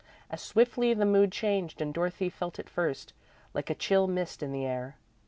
As swiftly the mood changed and Dorothy felt it first, like a chill mist in the air.